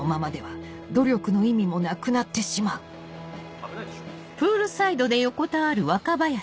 危ないでしょ。